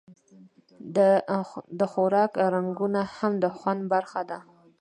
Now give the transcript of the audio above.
د خوراک رنګونه هم د خوند برخه ده.